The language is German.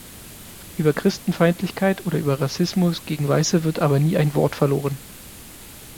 Über Christenfeindlichkeit oder über Rassismus gegen Weiße wird aber nie ein Wort verloren.